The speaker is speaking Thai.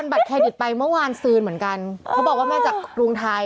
ก็ไม่รู้อะครับเค้าก็เห็นกล้องต่องจ่าย